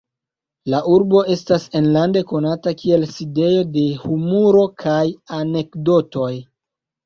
La urbo estas enlande konata kiel sidejo de humuro kaj anekdotoj.